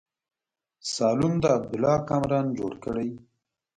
سالون د عبدالله کامران جوړ کړی.